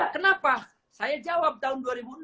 kenapa saya jawab tahun dua ribu enam belas